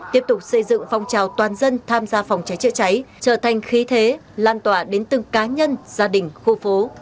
tiếp tục xây dựng phong trào toàn dân tham gia phòng cháy chữa cháy trở thành khí thế lan tỏa đến từng cá nhân gia đình khu phố